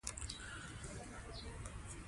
پسه د افغانستان د طبیعي زیرمو برخه ده.